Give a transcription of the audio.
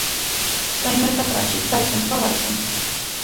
Chay markatrawshi taytan kawarqan.